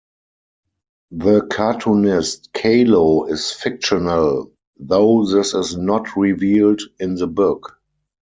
The cartoonist Kalo is fictional, though this is not revealed in the book.